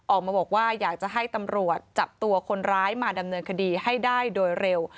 ออกมาบอกว่าอยากจะให้ตำรวจจับตัวคนร้ายมาดำเนินคดีให้ได้โดยเร็ว